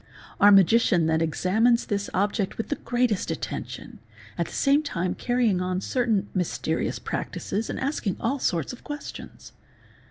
Our magician then examines this object with the greatest attention, at the same time carry ing on certain mysterious practices and asking all sorts of questions.